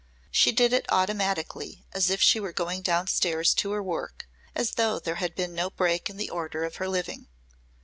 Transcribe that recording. She did it automatically as if she were going downstairs to her work, as though there had been no break in the order of her living.